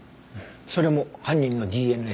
それも犯人のＤＮＡ？